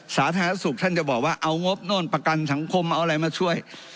สาธารณสุขท่านจะบอกว่าเอางบโน่นประกันสังคมเอาอะไรมาช่วย